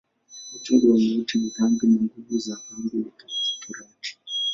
Uchungu wa mauti ni dhambi, na nguvu za dhambi ni Torati.